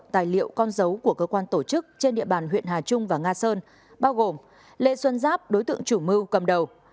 tài liệu con dấu của cơ quan tổ chức trên địa bàn huyện hà trung và nga sơn bao gồm lê xuân giáp đối tượng chủ mưu cầm đầu